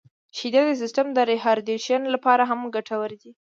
• شیدې د سیستم د ریهایدریشن لپاره هم ګټورې دي.